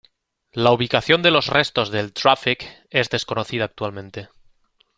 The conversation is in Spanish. La ubicación de los restos del "Traffic" es desconocida actualmente.